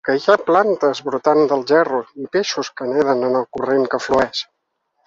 Hi ha plantes brotant del gerro, i peixos que neden en el corrent que flueix.